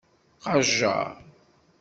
Qajjer.